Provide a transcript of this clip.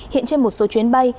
hiện trên một số chuyến bay